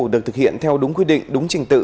được thực hiện theo đúng quy định đúng trình tự